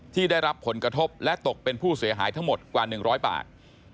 ที่ได้รับผลกระทบและตกเป็นผู้เสียหายทั้งหมดกว่า๑๐๐บาท